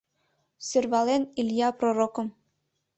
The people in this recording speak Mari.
Сӧрвален Илья пророкым